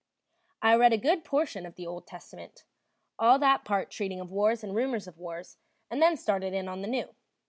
I read a good portion of the Old Testament, all that part treating of wars and rumors of wars, and then started in on the New.